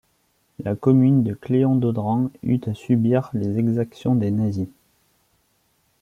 La commune de Cléon-d'Andran eut à subir les exactions des nazis.